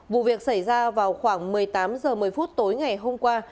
vụ việc xảy ra vào khoảng một mươi tám h một mươi phút tối ngày hôm qua